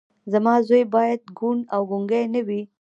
زما زوی باید کوڼ او ګونګی نه وي